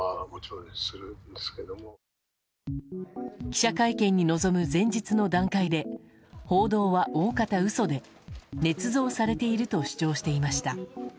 記者会見に臨む前日の段階で報道は大方嘘でねつ造されていると主張していました。